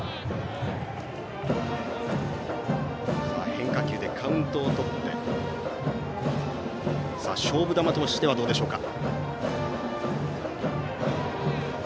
変化球でカウントをとって勝負球としてはどうでしょうか。